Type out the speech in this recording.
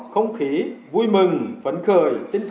không khí vui mừng phấn khởi